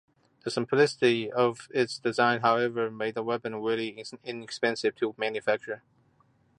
The simplicity of its design however, made the weapon very inexpensive to manufacture.